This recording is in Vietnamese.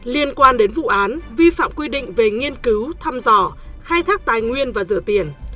liên quan đến vụ án vi phạm quy định về nghiên cứu thăm dò khai thác tài nguyên và rửa tiền